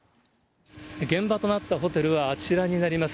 現場となったホテルはあちらになります。